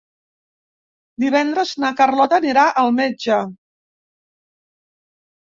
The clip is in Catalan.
Divendres na Carlota anirà al metge.